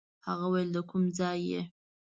هغه ویل د کوم ځای یې.